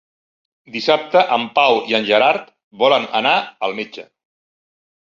Dissabte en Pau i en Gerard volen anar al metge.